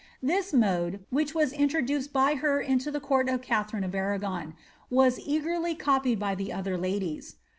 This mode, which was introduced by her into the court of Katharine of Arragon, was eagerly copied by the other kdies.